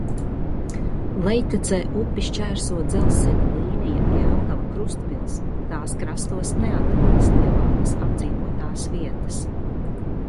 Lejtecē upi šķērso dzelzceļa līnija Jelgava–Krustpils, tās krastos neatrodas lielākas apdzīvotās vietas.